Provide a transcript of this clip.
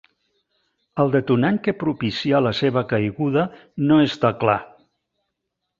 El detonant que propicià la seva caiguda no està clar.